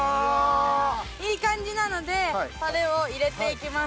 いい感じなのでタレを入れていきます。